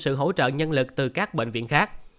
sự hỗ trợ nhân lực từ các bệnh viện khác